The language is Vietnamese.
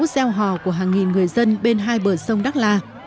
gieo hò của hàng nghìn người dân bên hai bờ sông đắk la